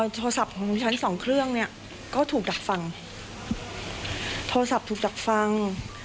โทรศัพท์ของชั้น๒เครื่องก็ถูกดักฟัง